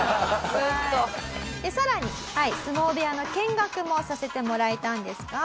でさらに相撲部屋の見学もさせてもらえたんですが。